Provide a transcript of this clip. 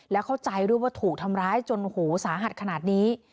แล้วเข้าใจด้วยว่าถูกทำร้ายจนหูสาหัสขนาดนี้